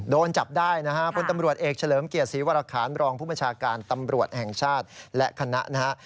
โดนจับได้นะฮะพลตำรวจเอกเฉลิมเกียรติศรีวรคารรองผู้บัญชาการตำรวจแห่งชาติและคณะนะฮะ